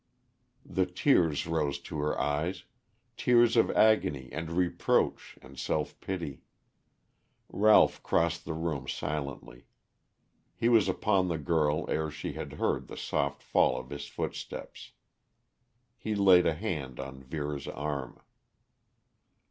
The tears rose to her eyes, tears of agony and reproach and self pity. Ralph crossed the room silently. He was upon the girl ere she had heard the soft fall of his footsteps. He laid a hand on Vera's arm.